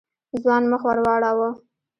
ځوان مخ ور واړاوه.